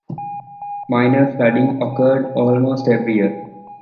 Minor flooding occurred almost every year.